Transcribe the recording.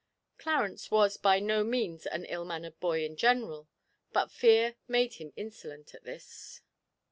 Clarence was by no means an ill mannered boy in general, but fear made him insolent at this.